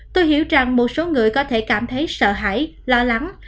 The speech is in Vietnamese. tôi hiểu rằng một số người có thể cảm thấy sợ hãi lo lắng